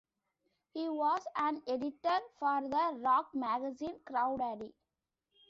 He was an editor for the rock magazine Crawdaddy!